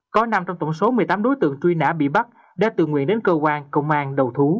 có năm trong tổng số một mươi tám đối tượng truy nã bị bắt đã tự nguyện đến cơ quan công an đầu thú